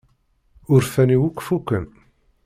Urfan-iw akk fukken.